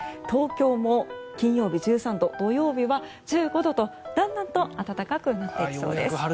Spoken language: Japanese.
東京も金曜日、１３度土曜日は１５度とだんだんと暖かくなっていきます。